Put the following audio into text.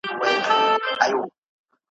په مردار ډنډ کي به څنګه ژوند کومه `